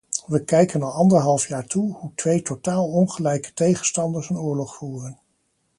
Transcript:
We kijken al anderhalf jaar toe, hoe twee totaal ongelijke tegenstanders een oorlog voeren.